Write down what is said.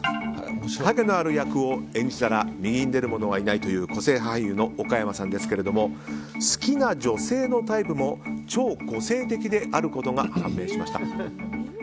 陰のある役を演じたら右に出る者はいないという個性派俳優の岡山さんですけど好きな女性のタイプも超個性的であることが判明しました。